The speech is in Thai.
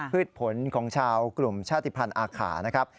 พืชผลของชาวกลุ่มชาติภัณฑ์อาขานะครับ